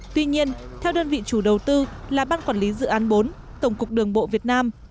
tuy nhiên theo đơn vị chủ đầu tư là ban quản lý dự án bốn tổng cục đường bộ việt nam